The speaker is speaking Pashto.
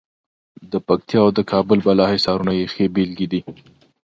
د پکتیا او د کابل بالا حصارونه یې ښې بېلګې دي.